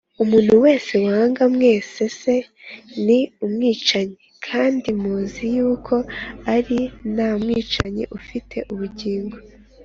Umuntu wese wanga mwene Se ni umwicanyi, kandi muzi yuko ari nta mwicanyi ufite ubugingo